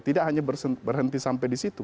tidak hanya berhenti sampai di situ